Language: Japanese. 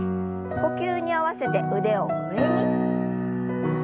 呼吸に合わせて腕を上に。